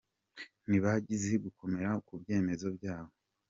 Ntibazi gukomera ku byemezo byabo,.